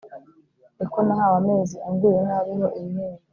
ni ko nahawe amezi anguye nabi ho ibihembo